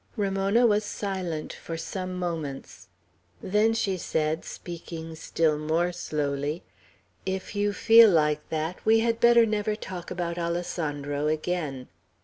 Ramona was silent for some moments; then she said, speaking still more slowly, "If you feel like that, we had better never talk about Alessandro again.